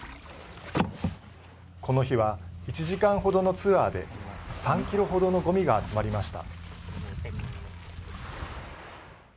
この日は１時間程のツアーで３キロ程のごみが集まりました。